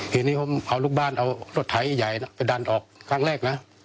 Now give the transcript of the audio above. ทีนี้ผมเอาลูกบ้านเอารถไถใหญ่ไปดันออกครั้งแรกนะ